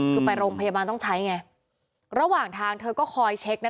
คือไปโรงพยาบาลต้องใช้ไงระหว่างทางเธอก็คอยเช็คนะ